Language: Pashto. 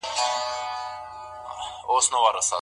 د مور په نشتون کي د ماشوم څه سی صدمه ويني؟